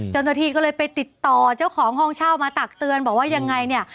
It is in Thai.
เจ้าหน้าที่ก็เลยไปติดต่อเจ้าของห้องเช่ามาตักเตือนบอกว่ายังไงเนี่ย